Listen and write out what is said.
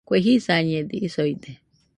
Kue jisañede isoide